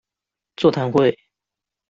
座談會